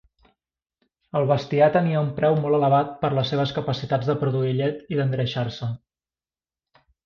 El bestiar tenia un preu molt elevat per les seves capacitats de produir llet i d'engreixar-se.